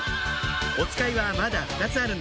おつかいはまだ２つあるんです